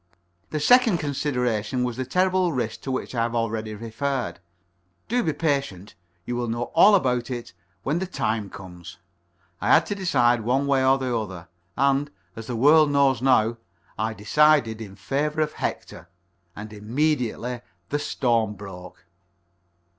The second consideration was the terrible risk to which I have already referred. Do be patient. You will know all about it when the time comes. I had to decide one way or the other, and as the world knows now I decided in favour of Hector. And immediately the storm broke.